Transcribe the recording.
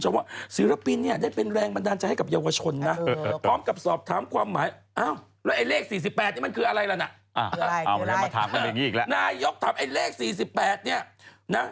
เป็นชื่อวงเป็นเลขน้ำโชคหรือเปล่า